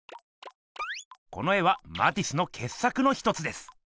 この絵はマティスのけっさくの一つです！